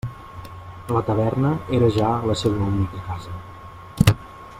La taverna era ja la seua única casa.